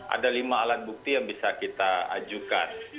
ada lima alat bukti yang bisa kita ajukan